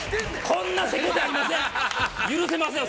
こんなことありません。